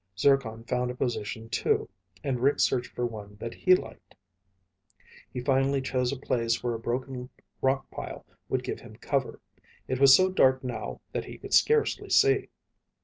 Zircon found a position, too, and Rick searched for one that he liked. He finally chose a place where a broken rock pile would give him cover. It was so dark now that he could scarcely see.